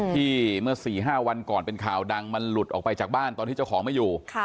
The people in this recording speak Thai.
เมื่อ๔๕วันก่อนเป็นข่าวดังมันหลุดออกไปจากบ้านตอนที่เจ้าของไม่อยู่